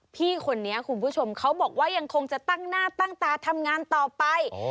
พี่คนนี้คุณผู้ชมเขาบอกว่ายังคงจะตั้งหน้าตั้งตาทำงานต่อไป